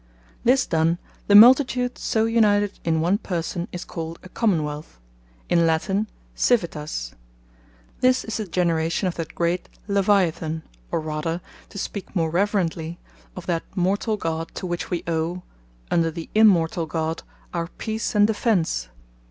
This done, the Multitude so united in one Person, is called a COMMON WEALTH, in latine CIVITAS. This is the Generation of that great LEVIATHAN, or rather (to speake more reverently) of that Mortall God, to which wee owe under the Immortall God, our peace and defence.